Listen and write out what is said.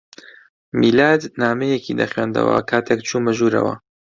میلاد نامەیەکی دەخوێندەوە کاتێک چوومە ژوورەوە.